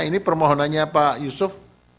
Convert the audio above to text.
ini permohonannya pak yusuf